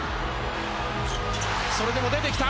それでも出てきた。